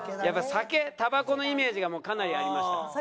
やっぱ酒たばこのイメージがかなりありました。